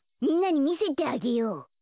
みんなにみせてあげよう。